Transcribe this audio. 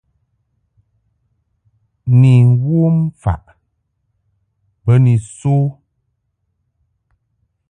Ni wom faʼ be ni so.